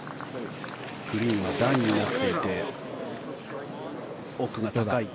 グリーンは段になっていて奥が高い。